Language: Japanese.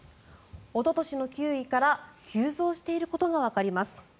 おととしの９位から急増していることがわかります。